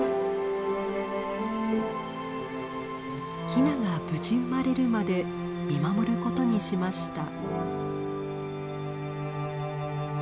ヒナが無事生まれるまで見守ることにしました。